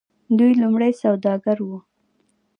دوی لومړی سوداګر وو.